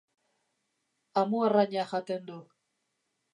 Amuarraina jaten du.